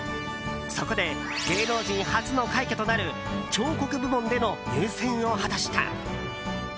そこで芸能人初の快挙となる彫刻部門での入選を果たした。